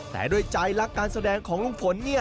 แต่โดยใจลักษณ์การแสดงของลงฝน